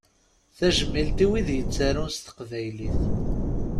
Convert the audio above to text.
Tajmilt i wid yettarun s teqbaylit.